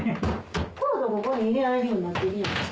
コードをここに入れられるようになってるやん。